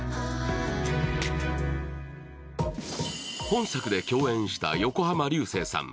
本作で共演した横浜流星さん